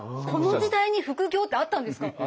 この時代に副業ってあったんですか。